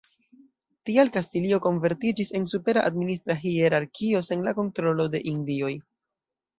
Tial Kastilio konvertiĝis en supera administra hierarkio sen la kontrolo de Indioj.